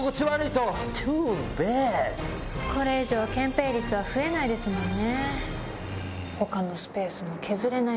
これ以上建ぺい率は増えないですもんね。